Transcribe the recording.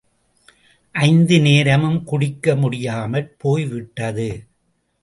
ஐந்து நேரமும் குடிக்க முடியாமற் போய் விட்டது.